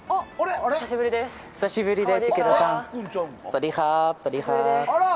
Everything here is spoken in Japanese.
お久しぶりです！